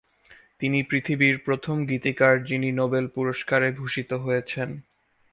তিনি পৃথিবীর প্রথম গীতিকার যিনি নোবেল পুরস্কারে ভূষিত হয়েছেন।